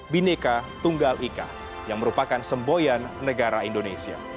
bineka tunggal ika yang merupakan semboyan negara indonesia